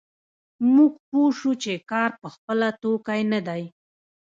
موږ پوه شوو چې کار په خپله توکی نه دی